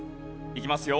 いきますよ。